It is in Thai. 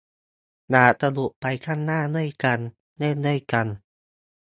อยากสนุกไปข้างหน้าด้วยกัน เล่นด้วยกัน